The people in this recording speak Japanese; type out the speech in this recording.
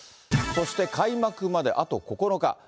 そして開幕まであと９日。